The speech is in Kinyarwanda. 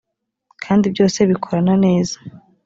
kandi byose bikorana neza